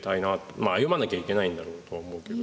まあ、歩まなきゃいけないんだろうとは思うけど。